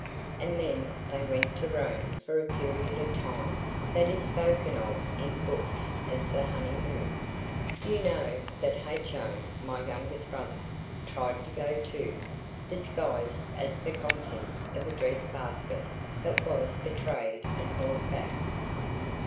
And then they went to Rome for a period of time that is spoken of in books as the honeymoon. You know that H.O., my youngest brother, tried to go too, disguised as the contents of a dress basket–but was betrayed and brought back.